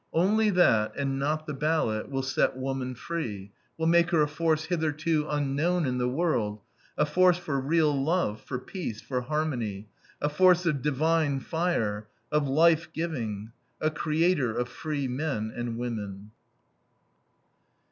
Only that, and not the ballot, will set woman free, will make her a force hitherto unknown in the world, a force for real love, for peace, for harmony; a force of divine fire, of life giving; a creator of free men and women.